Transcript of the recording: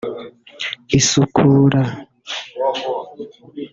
isukura